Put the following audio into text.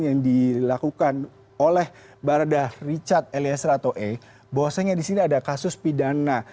yang dilakukan oleh barada richard elias ratoe bahwasanya disini ada kasus pidana